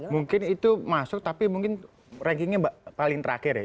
mungkin itu masuk tapi mungkin rankingnya paling terakhir ya